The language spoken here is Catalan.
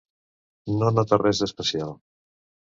No nota res d'especial.